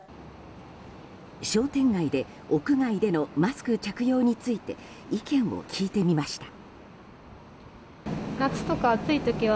商店街で屋外でのマスク着用について意見を聞いてみました。